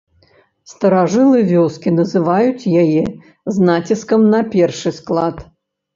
Старажылы вёскі называюць яе з націскам на першы склад.